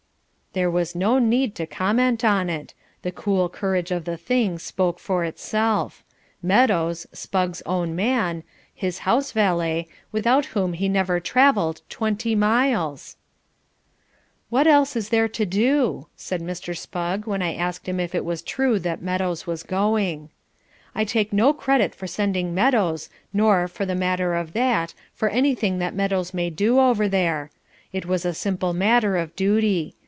There was no need to comment on it. The cool courage of the thing spoke for itself. Meadows, Spugg's own man, his house valet, without whom he never travelled twenty miles! "What else was there to do?" said Mr. Spugg when I asked him if it was true that Meadows was going. "I take no credit for sending Meadows nor, for the matter of that, for anything that Meadows may do over there. It was a simple matter of duty.